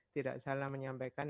tidak salah menyampaikan